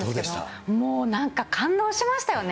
もうなんか感動しましたよね。